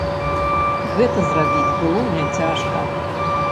Гэта зрабіць было няцяжка.